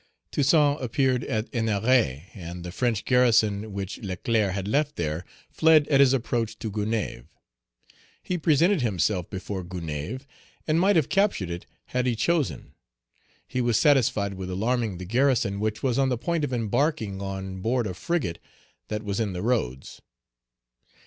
Toussaint appeared at Ennery, and the French garrison which Leclerc had left there Page 193 fled at his approach to Gonaïves. He presented himself before Gonaïves, and might have captured it, had he chosen. He was satisfied with alarming the garrison, which was on the point of embarking on board a frigate that was in the roads.